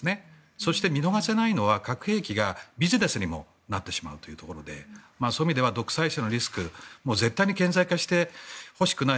そして、見逃せないのは核兵器がビジネスにもなってしまうということでそういう意味では独裁者のリスク絶対に顕在化してほしくない